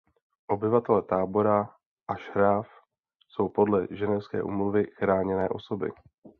Obyvatelé tábora Ashraf jsou podle ženevské úmluvy chráněné osoby.